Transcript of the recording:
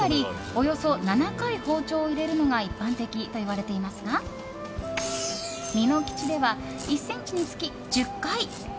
およそ７回、包丁を入れるのが一般的といわれていますがみのきちでは１ｃｍにつき１０回。